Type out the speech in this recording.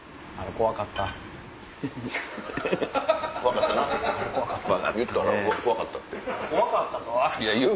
怖かったぞ！